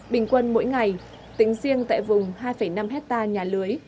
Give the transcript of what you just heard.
bình quân mỗi ngày tính riêng tại vùng hai năm hectare nhà lưới